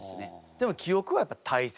でも記憶はやっぱ大切？